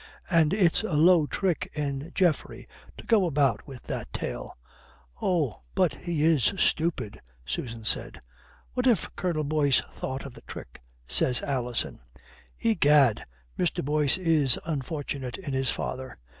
And it's a low trick in Geoffrey to go about with that tale." "Oh! But he is stupid," Susan said. "What if Colonel Boyce thought of the trick?" says Alison. "Egad, Mr. Boyce is unfortunate in his father.